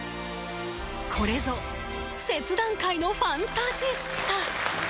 これぞ切断界のファンタジスタ！